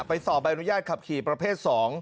สอบใบอนุญาตขับขี่ประเภท๒